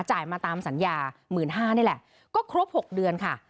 มาตามสัญญา๑๕๐๐นี่แหละก็ครบ๖เดือนค่ะ